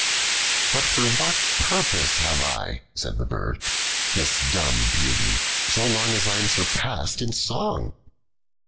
"But for what purpose have I," said the bird, "this dumb beauty so long as I am surpassed in song?"